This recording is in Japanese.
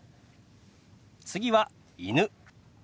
次は「犬」。